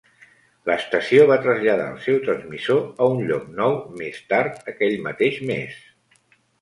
L'estació va traslladar el seu transmissor a un lloc nou més tard aquell mateix mes.